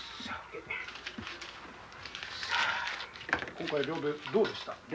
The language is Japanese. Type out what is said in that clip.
今回漁どうでした？